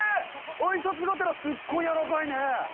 あいさつがてらすっごい柔らかいね。